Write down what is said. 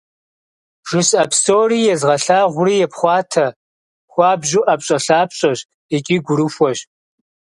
ЖысӀэ псори, езгъэлъагъури епхъуатэ, хуабжьу ӏэпщӏэлъапщӏэщ икӏи гурыхуэщ.